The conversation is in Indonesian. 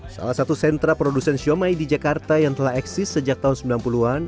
salah satu sentra produsen siomay di jakarta yang telah eksis sejak tahun sembilan puluh an